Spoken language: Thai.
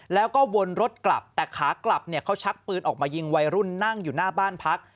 แล้วก็วนรถกลับแต่ขากลับเนี่ยเขาชักปืนออกมายิงวัยรุ่นนั่งอยู่หน้าบ้านพัก